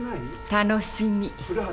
楽しみ。